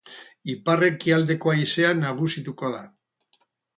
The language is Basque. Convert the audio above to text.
Ipar-ekialdeko haizea nagusituko da.